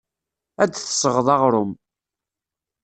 Ad d-tesɣeḍ aɣrum.